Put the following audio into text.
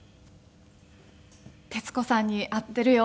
徹子さんに会っているよ。